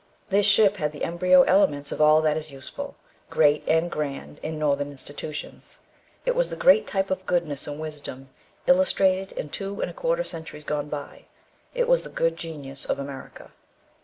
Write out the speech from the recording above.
This ship had the embryo elements of all that is useful, great, and grand in Northern institutions; it was the great type of goodness and wisdom, illustrated in two and a quarter centuries gone by; it was the good genius of America.